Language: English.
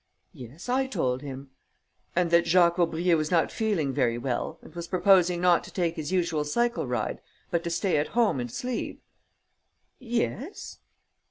"Yes, I told him." "And that Jacques Aubrieux was not feeling very well and was proposing not to take his usual cycle ride but to stay at home and sleep?" "Yes."